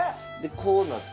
こうなって。